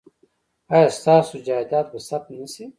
ایا ستاسو جایداد به ثبت نه شي؟